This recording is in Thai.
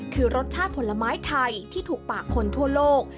คือรสชาติผลไม้ไทยที่ถูกปากคนทั่วโลก